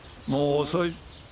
もう遅い。